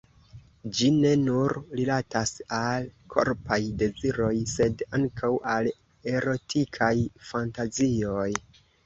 Ĝi ne nur rilatas al korpaj deziroj, sed ankaŭ al erotikaj fantazioj.